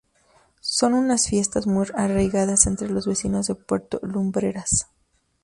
Son unas fiestas muy arraigadas entre los vecinos de Puerto Lumbreras.